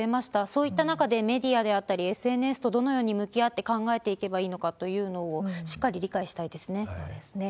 そういった中で、メディアであったり、ＳＮＳとどのように向き合って考えていけばいいのかというのを、そうですね。